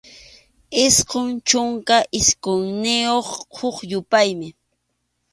Isqun chunka isqunniyuqqa huk yupaymi.